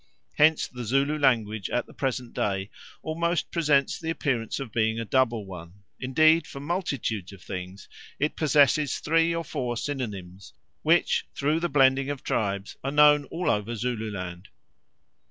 Hence the Zulu language at the present day almost presents the appearance of being a double one; indeed, for multitudes of things it possesses three or four synonyms, which through the blending of tribes are known all over Zululand.